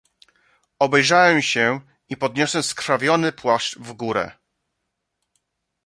"Obejrzałem się i podniosłem skrwawiony pałasz w górę."